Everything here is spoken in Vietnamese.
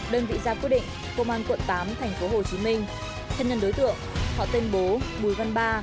đơn vị gia quyết định công an quận tám tp hcm thân nhân đối tượng họ tên bố